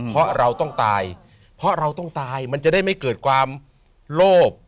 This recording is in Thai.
เพราะเราต้องตายเพราะเราต้องตายมันจะได้ไม่เกิดความโลภ